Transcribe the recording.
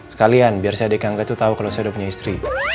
sekalian biar si adiknya angga tuh tau kalau saya udah punya istri